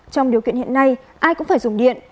trong điều kiện hiện nay ai cũng phải dùng điện